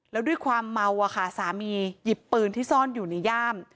แล้วด้วยความเมาอะค่ะสามีหยิบปืนที่ซ่อนอยู่ในย่าม